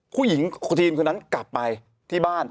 ผู้หญิงทีมคนนั้นกลับไปที่บ้าน